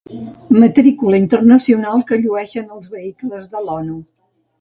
Matrícula internacional que llueixen els vehicles de l'Onu.